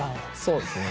そうですね。